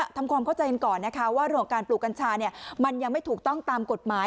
ทำความเข้าใจก่อนว่าหลวงการปลูกกัญชามันยังไม่ถูกต้องตามกฎหมาย